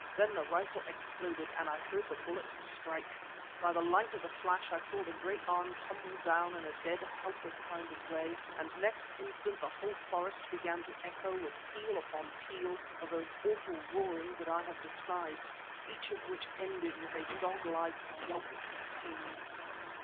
Then the rifle exploded and I heard the bullet strike. By the light of the flash I saw the great arm tumble down in a dead, helpless kind of way, and next instant the whole forest began to echo with peal upon peal of those awful roarings that I have described, each of which ended with a dog like yowp of pain.